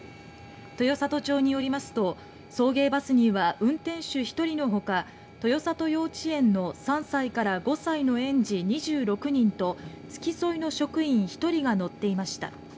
豊郷町によりますと送迎バスには運転手１人のほか豊郷幼稚園の３歳から５歳の園児２６人と付き添いの職員１人が乗っていました。